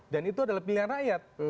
dan itu adalah pilihan rakyat